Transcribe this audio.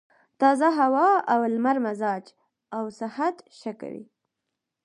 تازه هوا او لمر مزاج او صحت ښه کوي.